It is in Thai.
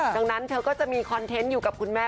ดังนั้นเธอก็จะมีคอนเทนต์อยู่กับคุณแม่